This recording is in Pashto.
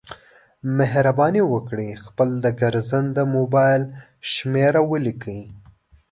مهرباني وکړئ خپل د ګرځنده مبایل شمېره ولیکئ